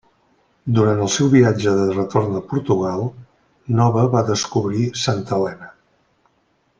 Durant el seu viatge de retorn a Portugal, Nova va descobrir Santa Helena.